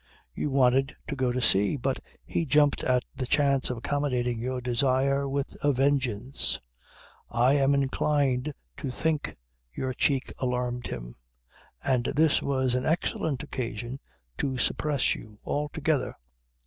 You wanted to go to sea, but he jumped at the chance of accommodating your desire with a vengeance. I am inclined to think your cheek alarmed him. And this was an excellent occasion to suppress you altogether.